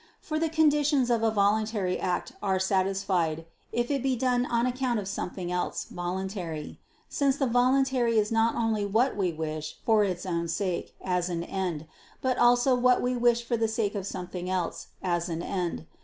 For the conditions of a voluntary act are satisfied, if it be done on account of something else voluntary: since the voluntary is not only what we wish, for its own sake, as an end, but also what we wish for the sake of something else, as an end.